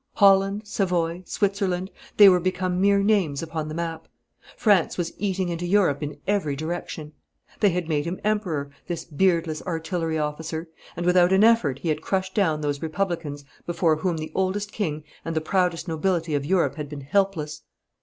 Holland, Savoy, Switzerland they were become mere names upon the map. France was eating into Europe in every direction. They had made him Emperor, this beardless artillery officer, and without an effort he had crushed down those Republicans before whom the oldest king and the proudest nobility of Europe had been helpless.